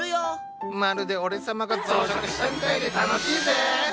まるで俺様が増殖したみたいで楽しいぜ！